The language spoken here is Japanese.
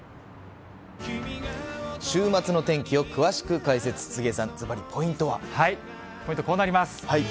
週末の天気を詳しく解説、ポイント、こうなります。